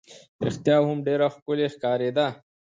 رښتیا هم ډېره ښکلې ښکارېده.